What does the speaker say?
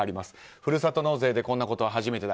ふるさと納税でこんなことは初めてだ。